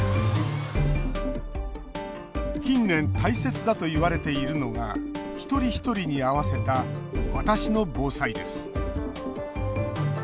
近年、大切だといわれているのが一人一人に合わせたわたしの防災です。